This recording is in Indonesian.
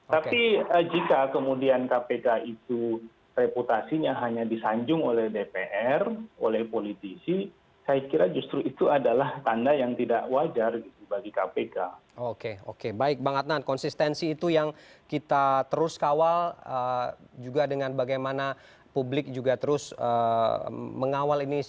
tapi jika kemudian kpk itu reputasinya hanya disanjung oleh dps